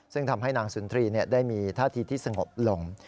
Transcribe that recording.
ซึ่งทำให้นางสุนทรีย์ได้มีท่าทีที่สงบลง